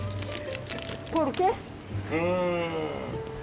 うん。